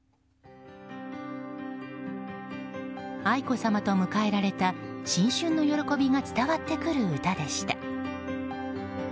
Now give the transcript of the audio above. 愛子さまと迎えられた新春の喜びが伝わってくる歌でした。